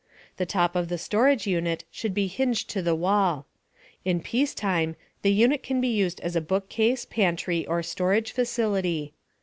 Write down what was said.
The top of the storage unit should be hinged to the wall. In peacetime, the unit can be used as a bookcase, pantry, or storage facility.